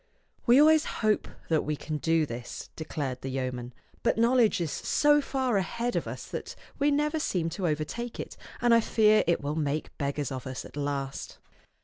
"We always hope that we can do this," declared the yeoman; " but knowledge is so far ahead of us that we never seem to overtake it; and I fear it will make beggars of us at last."